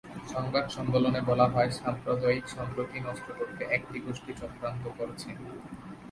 সংবাদ সম্মেলনে বলা হয়, সাম্প্রদায়িক সম্প্রীতি নষ্ট করতে একটি গোষ্ঠী চক্রান্ত করছে।